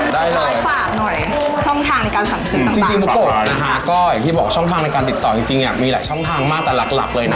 ได้เลยช่องทางในการสั่งติดต่างนะครับก็อย่างที่บอกช่องทางในการติดต่อจริงมีหลายช่องทางมากแต่หลักเลยนะคะ